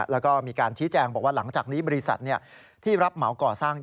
แล้วก็มีการชี้แจงบอกว่าหลังจากนี้บริษัทที่รับเหมาก่อสร้าง